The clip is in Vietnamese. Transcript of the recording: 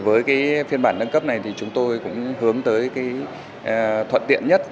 với phiên bản nâng cấp này chúng tôi cũng hướng tới thuận tiện nhất